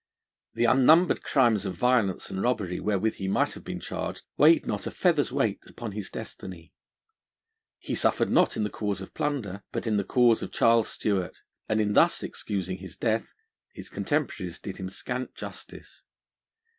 The unnumbered crimes of violence and robbery wherewith he might have been charged weighed not a feather's weight upon his destiny; he suffered not in the cause of plunder, but in the cause of Charles Stuart. And in thus excusing his death, his contemporaries did him scant justice.